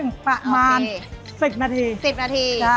๑๐นาที